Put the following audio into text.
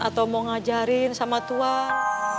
atau mau ngajarin sama tuhan